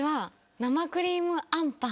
生クリームあんぱん！